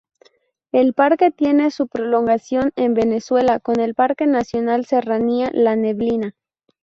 El parque tiene su prolongación en Venezuela, con el parque nacional Serranía La Neblina.